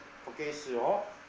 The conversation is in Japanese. こけしを。